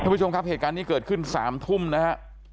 ผู้ชมครับเหตุการณ์นี้เกิดขึ้น๓ทุ่มนะฮะ